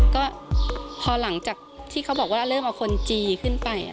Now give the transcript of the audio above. ก็พอหลังจากที่เขาบอกว่าเริ่มเอาคนจีขึ้นไป